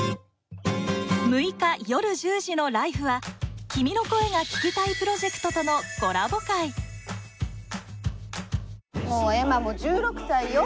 ６日夜１０時の「ＬＩＦＥ！」は「君の声が聴きたい」プロジェクトとのコラボ回もうエマも１６歳よ。